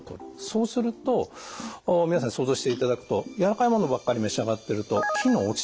そうすると皆さんに想像していただくとやわらかいものばっかり召し上がってると機能が落ちていきますよね。